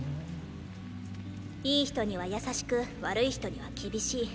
いい人には優しく悪い人には厳しい。